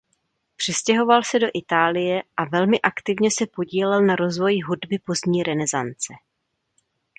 Přestěhoval se do Itálie a velmi aktivně se podílel na rozvoji hudby pozdní renesance.